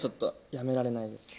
やめられないんですか？